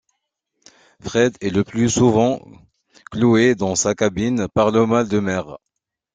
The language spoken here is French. Fred est le plus souvent cloué dans sa cabine par le mal de mer.